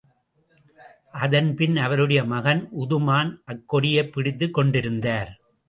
அதன்பின், அவருடைய மகன் உதுமான் அக்கொடியைப் பிடித்துக் கொண்டிருந்தார்.